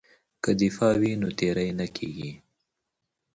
که دفاع وي نو تیری نه کیږي.